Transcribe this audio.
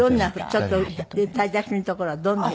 ちょっと歌い出しのところはどんなふう？